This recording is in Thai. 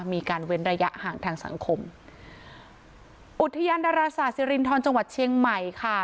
เว้นระยะห่างทางสังคมอุทยานดาราศาสสิรินทรจังหวัดเชียงใหม่ค่ะ